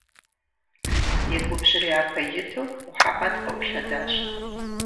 И губжьыр япэ иту Мухьэмэд къыӏулъэдащ.